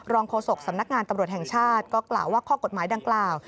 โฆษกสำนักงานตำรวจแห่งชาติก็กล่าวว่าข้อกฎหมายดังกล่าว